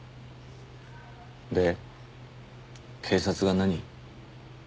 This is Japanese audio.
で警察が何？